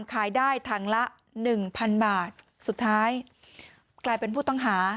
ขายได้ถังละหนึ่งพันบาทสุดท้ายกลายเป็นผู้ต้องหา